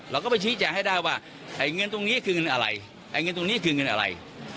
เราก็ไปชี้แจงให้ได้ว่าเงินตรงนี้คือเงินอะไร